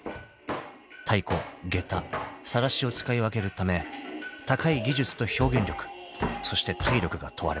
［太鼓げたさらしを使い分けるため高い技術と表現力そして体力が問われます］